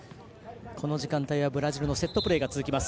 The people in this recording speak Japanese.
この時間帯はブラジルのセットプレーが続きます。